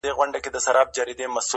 د مینې رحم او شفقت دوره وي